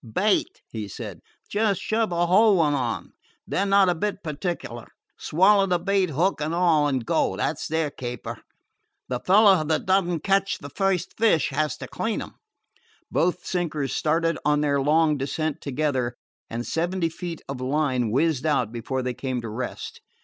"Bait," he said. "Just shove a whole one on. They 're not a bit partic'lar. Swallow the bait, hook and all, and go that 's their caper. The fellow that does n't catch the first fish has to clean 'em." Both sinkers started on their long descent together, and seventy feet of line whizzed out before they came to rest.